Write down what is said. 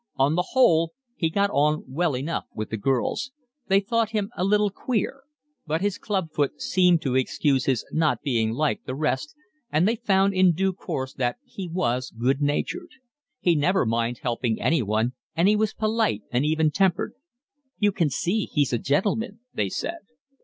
On the whole he got on well enough with the girls. They thought him a little queer; but his club foot seemed to excuse his not being like the rest, and they found in due course that he was good natured. He never minded helping anyone, and he was polite and even tempered. "You can see he's a gentleman," they said.